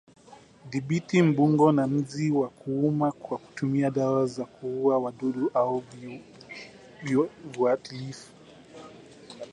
Dhibiti mbungo na nzi wa kuuma kwa kutumia dawa za kuua wadudu au viuatilifu